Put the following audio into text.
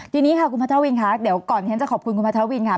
ทีนี้ค่ะคุณพัทธวินค่ะเดี๋ยวก่อนที่ฉันจะขอบคุณคุณพัทธวินค่ะ